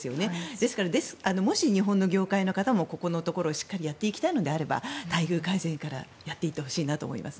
ですから、もし日本の業界の方もここのところをしっかりやっていきたいのであれば待遇改善からやっていってほしいなと思います。